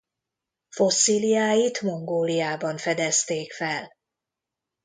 Fosszíliáit Mongóliában fedezték fel.